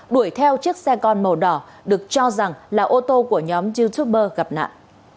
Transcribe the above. đuổi theo chiếc xe con màu đỏ được cho rằng là ô tô của nhóm youtuber gặp nạn